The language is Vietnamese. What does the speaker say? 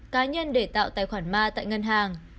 cá nhân để tạo tài khoản ma tại ngân hàng